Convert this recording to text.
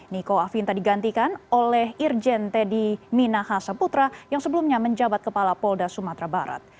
niko afinta digantikan oleh irjen teddy minahasa putra yang sebelumnya menjabat kepala polda sumatera barat